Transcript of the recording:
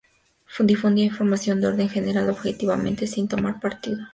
Difundía información de orden general, objetivamente, sin tomar partido.